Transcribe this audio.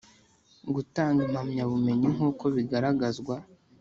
Gutanga impamyabumenyi nk uko bigaragazwa